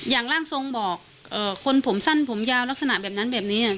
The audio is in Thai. ร่างทรงบอกคนผมสั้นผมยาวลักษณะแบบนั้นแบบนี้